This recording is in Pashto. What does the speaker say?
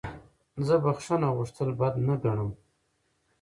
زه بخښنه غوښتل بد نه ګڼم.